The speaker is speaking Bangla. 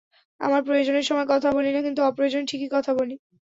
আমরা প্রয়োজনের সময় কথা বলি না কিন্তু অপ্রয়োজনে ঠিকই কথা বলি।